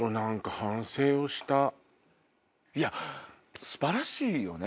いや素晴らしいよね